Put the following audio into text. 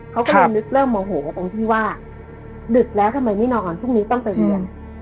เขาก็เลยนึกเริ่มโมโหตรงที่ว่าดึกแล้วทำไมไม่นอนพรุ่งนี้ต้องไปเรียน